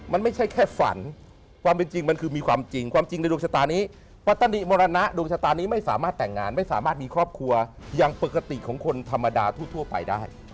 มันไม่ใช่แค่ฝันความเป็นจริงมันคือมีความจริงความจริงในดวงชะตานี้ปัตนิมรณะดวงชะตานี้ไม่สามารถแต่งงานไม่สามารถมีครอบครัวอย่างปกติของคนธรรมดาทั่วไปได้